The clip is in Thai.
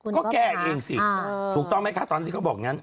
ก็แก้เองสิถูกต้องไหมคะตอนนี้เขาบอกงั้น